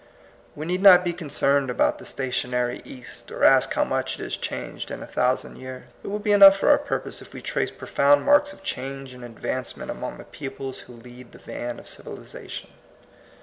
We need not be concerned about the sta tionary East, or ask how much it has changed in a thousand years ; it will be enough for our purpose if we trace pro found marks of change and advancement among the peoples who lead the van of civilization.